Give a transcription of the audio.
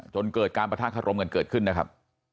จนเกิดการประทะคารมกันเกิดขึ้นนะครับ